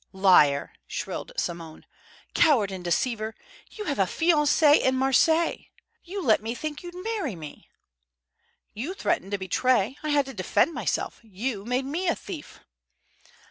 "Liar!" shrilled Simone. "Coward and deceiver! You have a fiancée in Marseilles. You let me think you'd marry me!" "You threatened to betray! I had to defend myself. You made me a thief!"